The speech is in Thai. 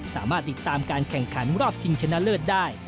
สามารถติดตามการแข่งขันรอบชิงชนะเลิศได้